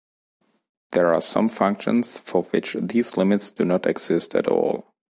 There are some functions for which these limits do not exist at all.